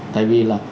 tại vì là